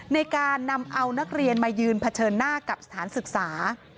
ในการนำเอานักเรียนมายืนเผชิญหน้ากับสถานศึกษา